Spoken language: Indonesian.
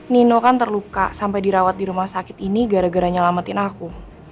nino kan terluka sampai dirawat di rumah sakit ini gara gara nyelamatin aku